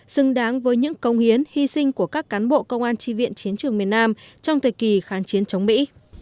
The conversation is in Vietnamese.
xứng đáng với những công hiến hy sinh của các cán bộ công an tri viện chiến trường miền nam trong thời kỳ kháng chiến chống mỹ